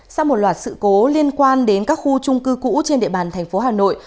sau một loạt sự cố liên quan đến các khu trung cư cũ trên địa bàn tp hà nội